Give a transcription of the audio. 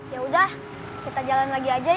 yaudah kita jalan lagi aja yuk